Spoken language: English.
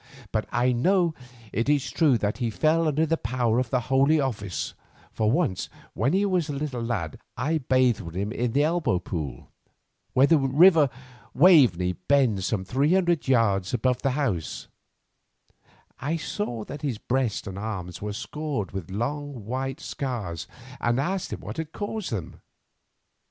But I know it is true that he fell under the power of the Holy Office, for once when as a little lad I bathed with him in the Elbow Pool, where the river Waveney bends some three hundred yards above this house, I saw that his breast and arms were scored with long white scars, and asked him what had caused them.